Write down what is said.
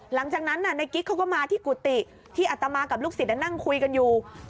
หลังจากนั้นในกิ๊กเขาก็มาที่กุฏิที่อัตมากับลูกศิษย์นั่งคุยกันอยู่